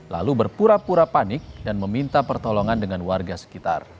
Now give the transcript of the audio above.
lalu berpura pura panik dan meminta pertolongan dengan warga sekitar